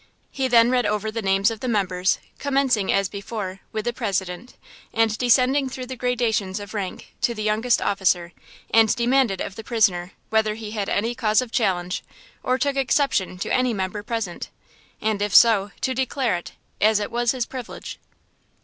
He then read over the names of the members, commencing as before, with the President, and descending through the gradations of rank to the youngest officer, and demanded of the prisoner whether he had any cause of challenge, or took any exception to any member present, and if so, to declare it, as was his privilege.